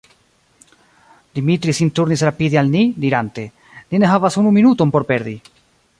Dimitri sin turnis rapide al ni, dirante: Ni ne havas unu minuton por perdi.